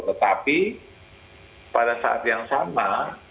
tetapi pada saat yang sama